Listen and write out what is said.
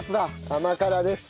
甘辛です。